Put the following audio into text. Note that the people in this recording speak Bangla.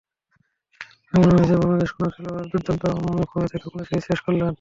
এমনও হয়েছে, বাংলাদেশের কোনো খেলোয়াড় দুর্দান্ত ফর্মে থেকে কোনো সিরিজ শেষ করলেন।